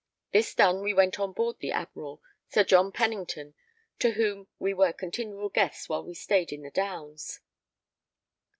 This done we went on board the Admiral, Sir John Pennington, to whom we were continual guests while we stayed in the Downs.